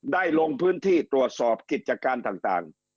ลงพื้นที่ตรวจสอบกิจการต่าง